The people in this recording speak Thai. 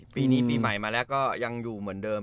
ปีนี้ปีใหม่มาแล้วก็ยังอยู่เหมือนเดิม